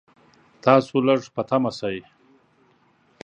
تاسو لږ په طمعه شئ.